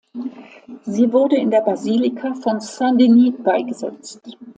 Sie wurde in der Basilika von Saint-Denis beigesetzt.